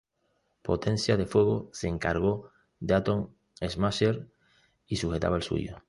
Potencia de Fuego se encargó de Atom Smasher y sujetaba el suyo.